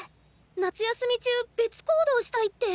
夏休み中別行動したいって。